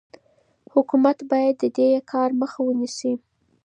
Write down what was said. حکومت باید د دې کار مخه ونیسي.